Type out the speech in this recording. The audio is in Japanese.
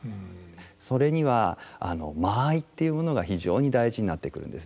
それには間合いというものが非常に大事になってくるんですね。